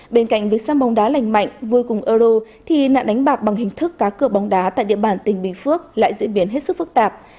bên cạnh việc sam bóng đá lành mạnh vô cùng euro thì nạn đánh bạc bằng hình thức cá cửa bóng đá tại địa bàn tỉnh bình phước lại diễn biến hết sức phức tạp